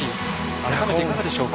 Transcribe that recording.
改めていかがでしょうか。